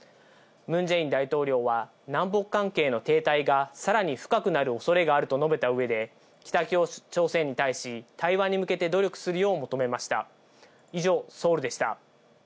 ムン・ジェイン大統領は、南北関係の停滞がさらに深くなるおそれがあると述べたうえで、北朝鮮に対し、対話に向けて努力するよう求めました。